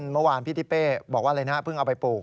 เมื่อวานพี่ทิเป้บอกว่าอะไรนะเพิ่งเอาไปปลูก